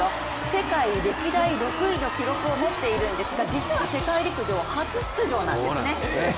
世界歴代６位の記録を持っているんですが、実は世界陸上初出場なんですね。